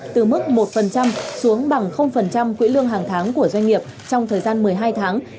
từ mức một xuống bằng quỹ lương hàng tháng của doanh nghiệp trong thời gian một mươi hai tháng